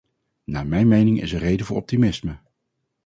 Naar mijn mening is er reden voor optimisme.